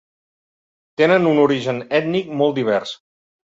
Tenen un origen ètnic molt divers.